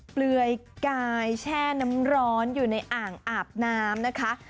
เปลือยกายแช่น้ำร้อนอยู่ในอ่างอาบน้ำนะคะ